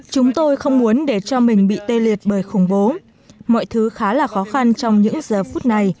chúng tôi không muốn để cho mình bị tê liệt bởi khủng bố mọi thứ khá là khó khăn trong những giờ phút này